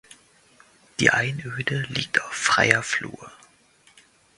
Die Einöde liegt auf freier Flur.